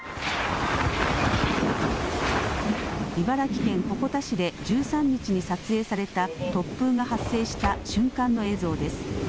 茨城県鉾田市で１３日に撮影された突風が発生した瞬間の映像です。